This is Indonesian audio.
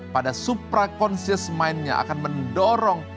pada supra konsius mindnya akan mendorong